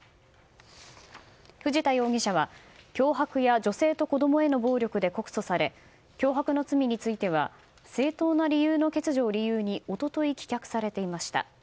藤田容疑者は脅迫や女性と子供への暴力で告訴され、脅迫の罪については正当な理由の欠如を理由に一昨日、棄却されていました。